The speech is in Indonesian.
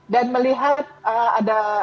dan melihat ada